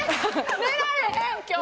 寝られへん今日！